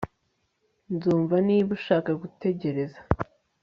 Nzumva niba ushaka gutegereza